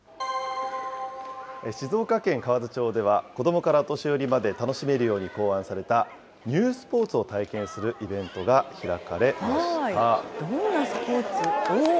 静岡県河津町では、子どもからお年寄りまで楽しめるように考案された、ニュースポーツを体験するイベントが開かれました。